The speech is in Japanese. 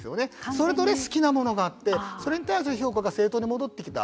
それぞれ好きなものがあってそれに対する評価が正当に戻ってきた。